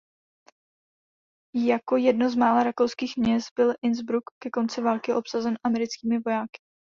Jako jedno z mála rakouských měst byl Innsbruck ke konci války obsazen americkými vojáky.